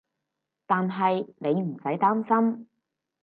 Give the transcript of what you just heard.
但係你唔使擔心